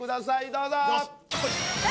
どうぞ！